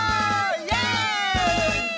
イエイ！